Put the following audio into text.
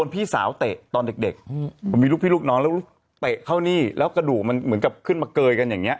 ผมมีลูกพี่ลูกน้องแล้วลูกเตะเข้านี่แล้วกระดูกมันเหมือนกับขึ้นมาเกยกันอย่างเนี้ย